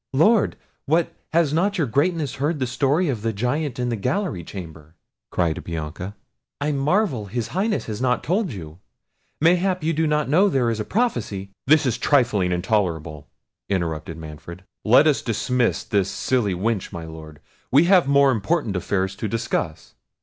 "Lord! what, has not your Greatness heard the story of the Giant in the gallery chamber?" cried Bianca. "I marvel his Highness has not told you; mayhap you do not know there is a prophecy—" "This trifling is intolerable," interrupted Manfred. "Let us dismiss this silly wench, my Lord! we have more important affairs to discuss."